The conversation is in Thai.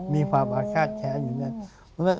มีความอาฆาตแค้นอยู่เนี่ย